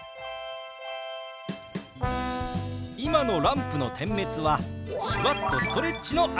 今のランプの点滅は手話っとストレッチの合図です！